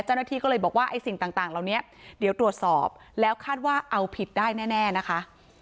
เจ้าหน้าที่ก็เลยบอกว่าไอ้สิ่งต่างเหล่านี้เดี๋ยวตรวจสอบแล้วคาดว่าเอาผิดได้แน่นะคะ